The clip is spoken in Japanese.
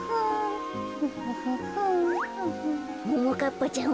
ももかっぱちゃん